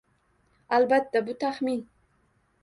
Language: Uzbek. Albatta, bu taxmin